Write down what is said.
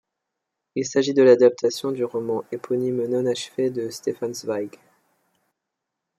Il s'agit de l'adaptation du roman éponyme non achevé de Stefan Zweig.